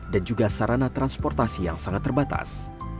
dan juga sarana transportasi yang sangat terbatas